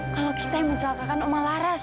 kalau kita yang menjagakan umar laras